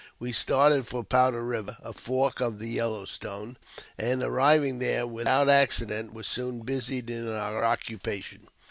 We started for Powder River, a fork of the Yellow Stone, and, arriving there without accident, were soon busied in our occupation.